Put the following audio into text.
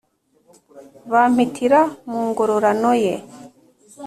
Bampitira mu ngororano ye